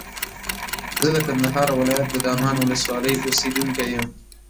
زه د کندهار ولایت د دامان ولسوالۍ اوسېدونکی یم.